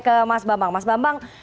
ke mas bambang mas bambang